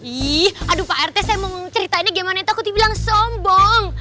ih aduh pak rt saya mau ceritainnya gimana takut dibilang sombong